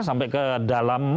sampai ke dalam